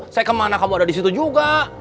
saya kemana kamu ada di situ juga